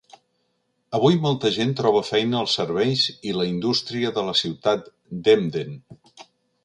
Avui molta gent troba feina als serveis i la indústria de la ciutat d'Emden.